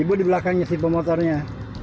ibu di belakangnya si pemotornya